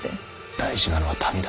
大事なのは民だ。